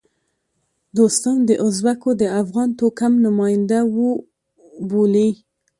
دوستم د ازبکو د افغان توکم نماینده وبولي.